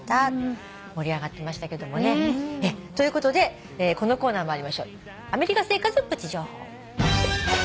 盛り上がってましたけどもね。ということでこのコーナー参りましょう。